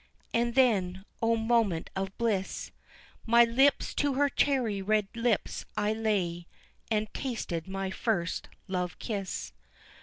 And then, oh moment of bliss, My lips to her cherry red lips I laid, And tasted my first love kiss.